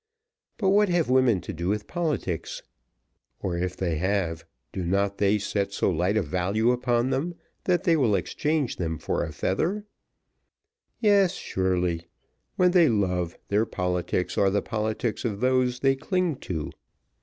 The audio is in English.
But what have women to do with politics? Or if they have, do not they set so light a value upon them, that they will exchange them for a feather? Yes, surely; when they love, their politics are the politics of those they cling to.